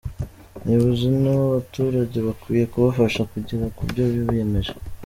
Abayobozi n’abaturage bakwiye kubafasha kugera ku byo biyemeje.